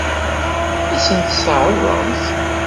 Ad sent-t-tɛeṛḍemt?